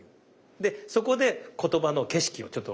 でそこで言葉の景色をちょっと向きを変える。